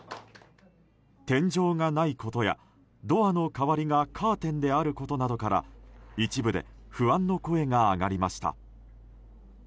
天井がないことやドアの代わりがカーテンであることなどから一部で不安の声が上がりました。